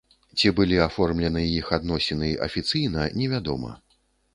Ці былі аформлены іх адносіны афіцыйна, невядома.